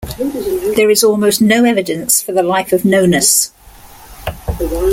There is almost no evidence for the life of Nonnus.